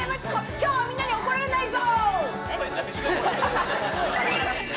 きょうはみんなに怒らないぞ！